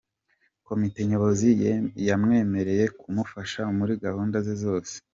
Komite Nyobozi yamwemereye kumufasha muri gahunda ze zose.